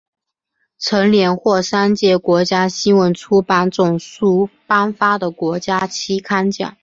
曾连获三届国家新闻出版总署颁发的国家期刊奖。